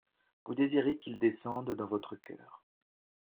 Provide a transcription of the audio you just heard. Vous désirez qu'il descende dans votre cœur.